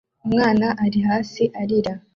umwana ari hasi arira